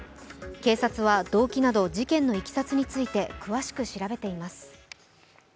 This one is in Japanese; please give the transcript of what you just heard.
警察は動機など事件のいきさつについて詳しく調べています。